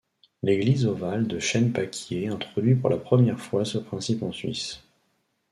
L’église ovale de Chêne-Pâquier introduit pour la première fois ce principe en Suisse.